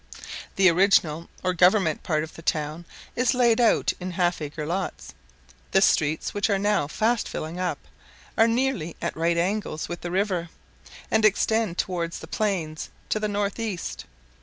The original or government part of the town is laid out in half acre lots; the streets, which are now fast filling up, are nearly at right angles with the river, and extend towards the plains to the northeast.